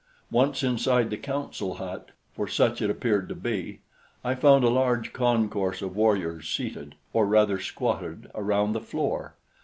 Once inside the council hut, for such it appeared to be, I found a large concourse of warriors seated, or rather squatted, around the floor.